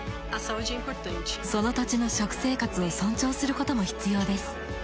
その土地の食生活を尊重することも必要です。